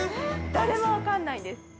◆誰も分かんないんです。